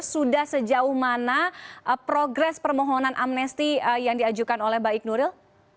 sudah sejauh mana progres permohonan amnesti yang diajukan oleh baik nuril